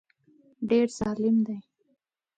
ډېر ظالم دی.